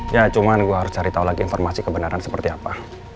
ya cuma gue harus cari tahu lagi informasi kebenaran seperti apa